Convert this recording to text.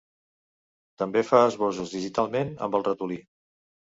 També fa esbossos digitalment amb el ratolí.